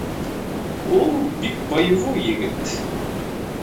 — Ул бик боевой егет.